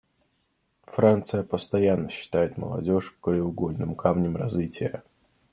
Франция постоянно считает молодежь краеугольным камнем развития.